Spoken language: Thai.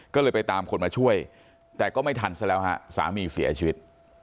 ก็เลยไปตามคนมาช่วยแต่ก็ไม่ทันซะแล้วฮะสามีเสียชีวิต